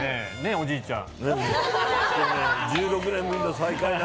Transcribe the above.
おじいちゃん。